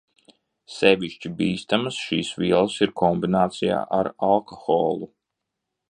Sevišķi bīstamas šīs vielas ir kombinācijā ar alkoholu.